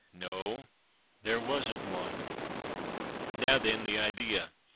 No, there wasn't one. Now, then, the idea.